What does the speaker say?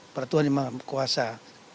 peraturan yang menguasai